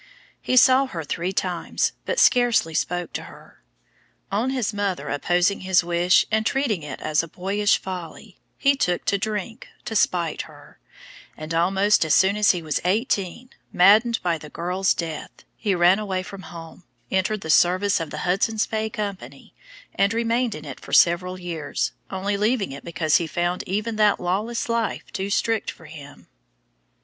He saw her three times, but scarcely spoke to her. On his mother opposing his wish and treating it as a boyish folly, he took to drink "to spite her," and almost as soon as he was eighteen, maddened by the girl's death, he ran away from home, entered the service of the Hudson's Bay Company, and remained in it for several years, only leaving it because he found even that lawless life too strict for him.